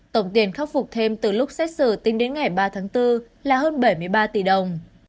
tổng tiền khắc phục thêm từ lúc xét xử tính đến ngày ba tháng bốn là hơn bảy mươi ba tỷ đồng